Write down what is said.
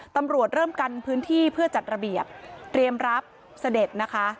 ตำรวจเริ่มกันพื้นที่เพื่อจัดระเบียบเตรียมรับเสด็จนะคะ